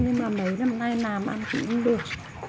nhưng mà mấy năm nay làm ăn cũng được